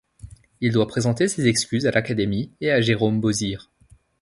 Il doit présenter ses excuses à l'Académie et à Jérôme Beausire.